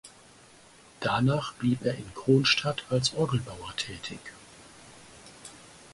Danach blieb er in Kronstadt als Orgelbauer tätig.